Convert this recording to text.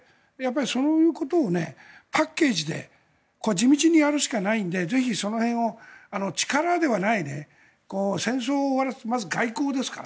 そういうことをパッケージで地道にやるしかないのでぜひその辺を力ではない戦争を終わらすのはまず外交ですから。